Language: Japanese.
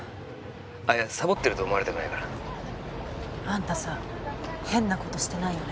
あっいやサボってると思われたくないからあんたさ変なことしてないよね？